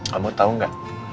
kamu tau gak